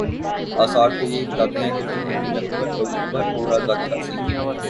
آثار تو یہی بتاتے ہیں کہ فلمی دنیا کو بھرپور آزادی حاصل تھی۔